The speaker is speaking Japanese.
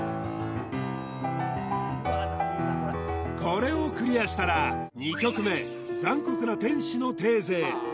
これをクリアしたら２曲目「残酷な天使のテーゼ」